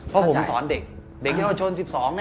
เพราะผมสอนเด็กเด็กเยาวชน๑๒ไง